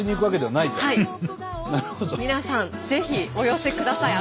皆さんぜひお寄せください。